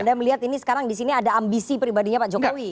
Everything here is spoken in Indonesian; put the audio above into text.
anda melihat ini sekarang di sini ada ambisi pribadinya pak jokowi